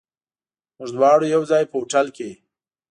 موږ دواړه یو ځای، په هوټل کې.